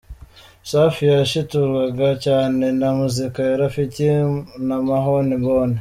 Safi yashiturwaga cyane na muzika ya Rafiki na Mahoni boni.